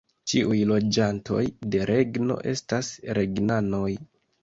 Ĉiuj loĝantoj de regno estas regnanoj.